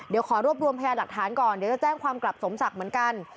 เดี๋ยวขอรวบรวมพยาหลักฐานก่อนเดี๋ยวจะแจ้งความกลับสมศักดิ์เหมือนกัน